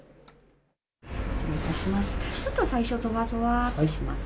失礼いたします。